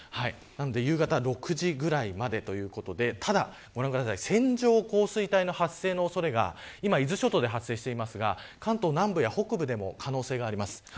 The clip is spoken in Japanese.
夕方６時ぐらいまでということでただ、線状降水帯の発生の恐れが今、伊豆諸島で発生していますが関東南部や北部でも可能性があります。